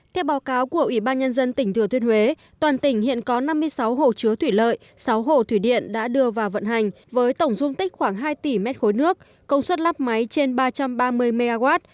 theo báo cáo của ủy ban nhân dân tỉnh thừa thiên huế toàn tỉnh hiện có năm mươi sáu hồ chứa thủy lợi sáu hồ thủy điện đã đưa vào vận hành với tổng dung tích khoảng hai tỷ m ba nước công suất lắp máy trên ba trăm ba mươi mw